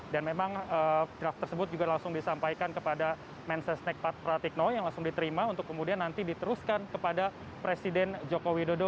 dan memang draft tersebut juga langsung disampaikan kepada mensesnek pratikno yang langsung diterima untuk kemudian nanti diteruskan kepada presiden joko widodo